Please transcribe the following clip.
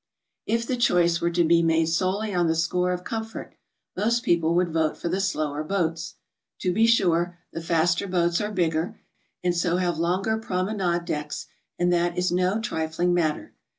If the choice were to be made solely on the score of comfort, most people would vote for the slower boats. To be sure, the faster boats are bigger, and so have longer promenade decks, — and that is no trifling matter.